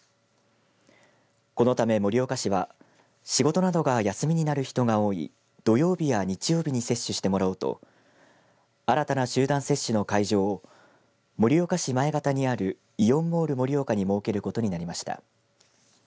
このため、盛岡市は仕事などが休みになる人が多い土曜日や日曜日に接種してもらおうと新たな集団接種の会場盛岡市前潟にあるイオンモール盛岡に設けることになりました。